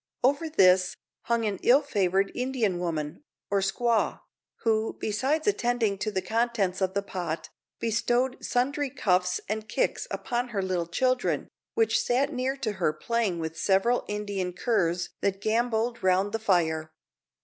Over this hung an ill favoured Indian woman, or squaw, who, besides attending to the contents of the pot, bestowed sundry cuffs and kicks upon her little child, which sat near to her playing with several Indian curs that gambolled round the fire.